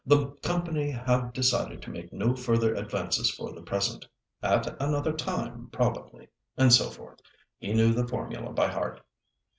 The company have decided to make no further advances for the present. At another time, probably," and so forth. He knew the formula by heart.